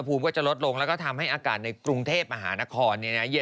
แล้วต้องไปตั้งตรงไหนนี่